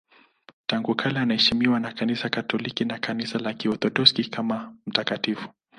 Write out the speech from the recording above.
Tangu kale anaheshimiwa na Kanisa Katoliki na Kanisa la Kiorthodoksi kama mtakatifu.